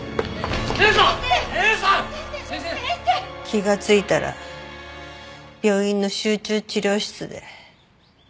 気がついたら病院の集中治療室で。